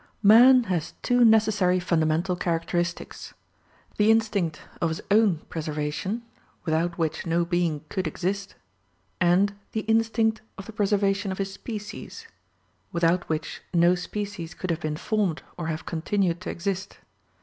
Man has two necessary fundamental characteristics, the instinct of his own preservation, without which no being could exist, and the instinct of the preservation of his species, without which no species could have been formed or have continued to exist.